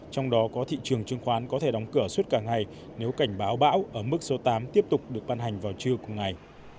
trong đó có thị trường chứng khoán có thể đóng cửa suốt cả ngày nếu cảnh báo bão ở mức số tám tiếp tục được ban hành vào trưa cùng ngày